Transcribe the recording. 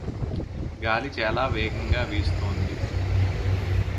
గాలి చాలా వేగంగా వీస్తోంది.